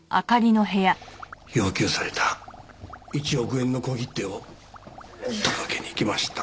要求された１億円の小切手を届けに行きました。